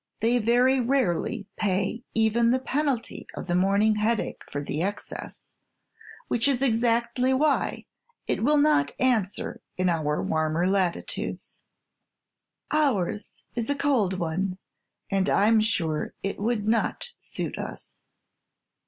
"They very rarely pay even the penalty of the morning headache for the excess, which is exactly why it will not answer in warmer latitudes." "Ours is a cold one, and I 'm sure it would not suit us."